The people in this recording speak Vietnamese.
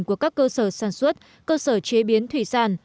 của các cơ sở sản xuất cơ sở chế biến thủy sản